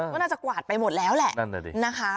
ก็น่าจะกวาดไปหมดแล้วแหละ